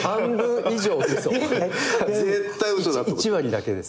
１割だけです。